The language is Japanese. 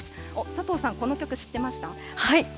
佐藤さん、この曲知ってました？